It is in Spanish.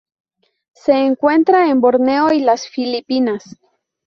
Se encuentra en Borneo y las Filipinas.